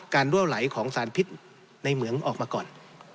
รั่วไหลของสารพิษในเหมืองออกมาก่อน